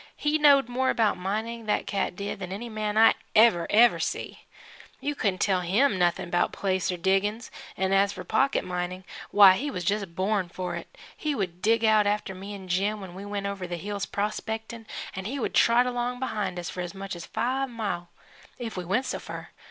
He knowed more about mining, that cat did, than any man I ever, ever see. You couldn't tell him noth'n' 'bout placer diggin's 'n' as for pocket mining, why he was just born for it. He would dig out after me an' Jim when we went over the hills prospect'n', and he would trot along behind us for as much as five mile, if we went so fur.